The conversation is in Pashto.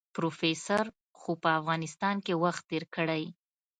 پروفيسر خو په افغانستان کې وخت تېر کړی.